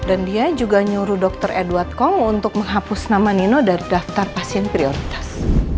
dan dia juga nyuruh dokter edward kong untuk menghapus nama nino dari daftar pasien prioritas